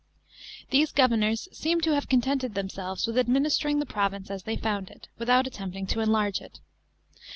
These governors1 seem to have contented themselves with administering the province as they found it, with out attempting to enlarge it.